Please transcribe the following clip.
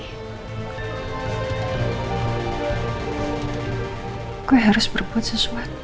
aku harus berbuat sesuatu